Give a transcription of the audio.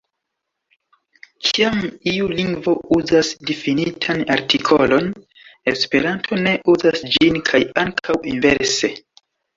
Kiam iu lingvo uzas difinitan artikolon, Esperanto ne uzas ĝin, kaj ankaŭ inverse.